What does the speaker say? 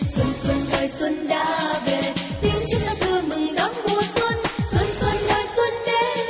xuân xuân đời xuân đã về tìm chút sáng tư mừng đón mùa xuân